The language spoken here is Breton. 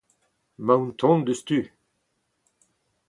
Emaon o tont diouzhtu.